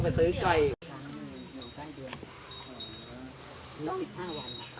นี่เห็นจริงตอนนี้ต้องซื้อ๖วัน